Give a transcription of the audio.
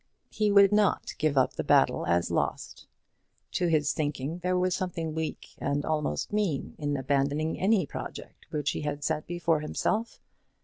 He would not give up the battle as lost. To his thinking there was something weak and almost mean in abandoning any project which he had set before himself.